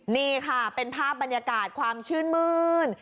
นี่ค่ะเป็นภาพบรรยากาศความชื่นมื้น